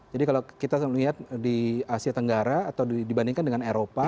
jadi kalau kita lihat di asia tenggara atau dibandingkan dengan eropa